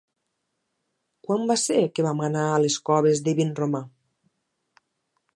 Quan va ser que vam anar a les Coves de Vinromà?